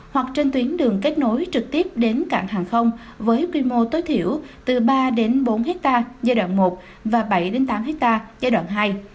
hoặc trên tuyến đường kết nối trực tiếp đến cảng hàng không với quy mô tối thiểu từ ba đến bốn hectare giai đoạn một và bảy tám ha giai đoạn hai